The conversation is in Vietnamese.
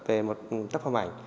về một tác phẩm ảnh